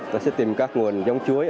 chúng ta sẽ tìm các nguồn giống chuối